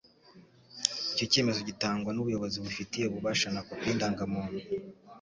icyo cyemezo gitangwa n'ubuyobozi bubifitiye ububasha na Kopi y'indangamuntu